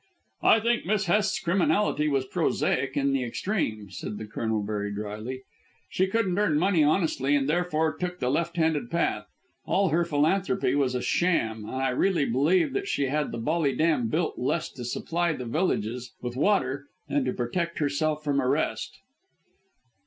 "I think Miss Hest's criminality was prosaic in the extreme," said the Colonel very drily. "She couldn't earn money honestly and therefore took the left handed path. All her philanthropy was a sham, and I really believe that she had the Bolly Dam built less to supply the villages with water than to protect herself from arrest."